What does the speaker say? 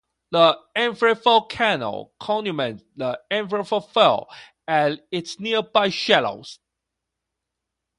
The Enfield Falls Canal circumvents the Enfield Falls and its nearby shallows.